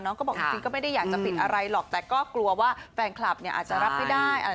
ก็บอกจริงก็ไม่ได้อยากจะปิดอะไรหรอกแต่ก็กลัวว่าแฟนคลับเนี่ยอาจจะรับไม่ได้